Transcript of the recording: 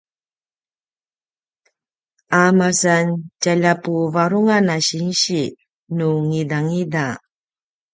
a masan tjalja puvarungan a sinsi nu ngidangida